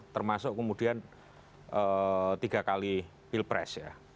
termasuk kemudian tiga kali pilpres ya